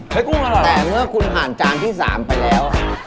กุ้งอร่อยแต่เมื่อคุณผ่านจานที่๓ไปแล้ว